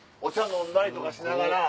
飲んだりとかしながら。